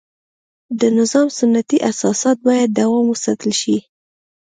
د نظام سنتي اساسات باید دوام وساتل شي.